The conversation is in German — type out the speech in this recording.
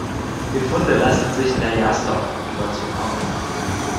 Die Funde lassen sich der Jastorfkultur zuordnen.